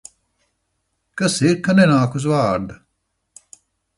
Kas ir, ka nenāk uz vārda?